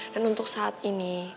dan untuk saat ini